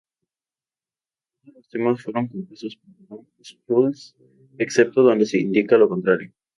Todas los temas fueron compuestos por Tom Scholz, excepto donde se indica lo contrario.